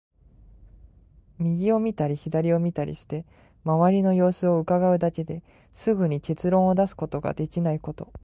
右を見たり左を見たりして、周りの様子を窺うだけですぐに結論を出すことができないこと。